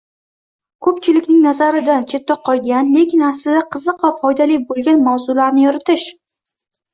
Ko‘pchilikning nazaridan chetda qolgan, lekin aslida qiziq va foydali bo‘lgan mavzularni yoritish.